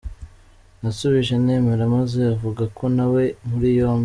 Nasubije nemera maze avuga ko ntawe muri yombi.